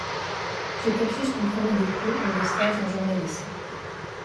Ce cursus comprenait des cours et des stages en journalisme.